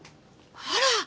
あら。